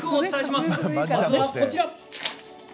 まずはこちら。